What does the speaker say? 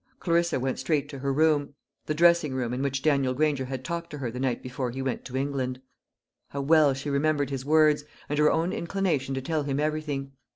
Clarissa went straight to her room the dressing room in which Daniel Granger had talked to her the night before ha went to England. How well she remembered his words, and her own inclination to tell him everything!